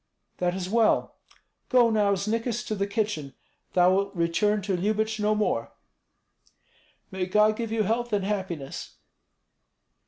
That is well. Go now, Znikis, to the kitchen. Thou wilt return to Lyubich no more." "May God give you health and happiness!"